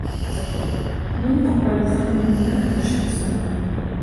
موږ خپل زخم نه تشخیصوو.